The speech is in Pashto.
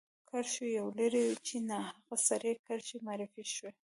کرښو یوه لړۍ چې ناحقه سرې کرښې معرفي شوې.